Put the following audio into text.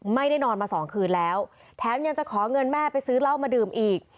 ไม่ได้นอนมาสองคืนแล้วแถมยังจะขอเงินแม่ไปซื้อเหล้ามาดื่มอีก